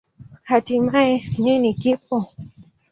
Hatimaye, nini kipo?